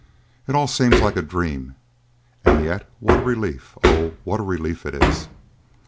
It all seems like a dream, and yet what a relief oh! what a relief it is."